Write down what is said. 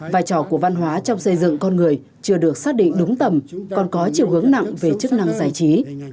vai trò của văn hóa trong xây dựng con người chưa được xác định đúng tầm còn có chiều hướng nặng về chức năng giải trí